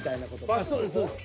あっそうですそうです。